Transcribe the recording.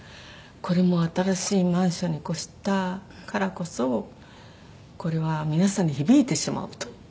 これも新しいマンションに越したからこそこれは皆さんに響いてしまうと。